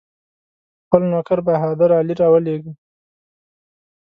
خپل نوکر بهادر علي راولېږه.